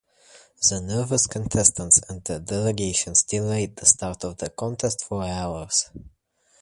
The nervous contestants and their delegations delayed the start of the contest for hours.